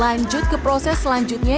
lanjut ke proses selanjutnya